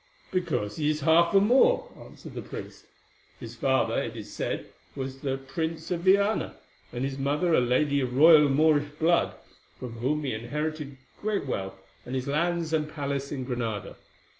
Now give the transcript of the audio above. "Because he is half a Moor," answered the priest. "His father, it is said, was the Prince of Viana, and his mother a lady of royal Moorish blood, from whom he inherited great wealth, and his lands and palace in Granada.